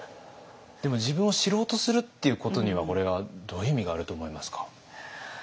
でも自分を知ろうとするっていうことにはこれはどういう意味があると思いますか？